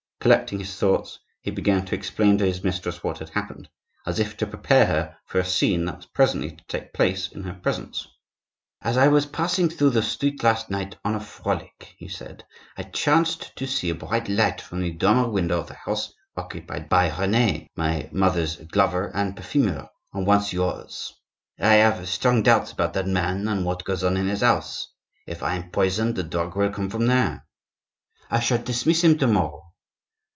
Collecting this thoughts, he began to explain to his mistress what had happened, as if to prepare her for a scene that was presently to take place in her presence. "As I was passing through the street last night on a frolic," he said, "I chanced to see a bright light from the dormer window of the house occupied by Rene, my mother's glover and perfumer, and once yours. I have strong doubts about that man and what goes on in his house. If I am poisoned, the drug will come from there." "I shall dismiss him to morrow."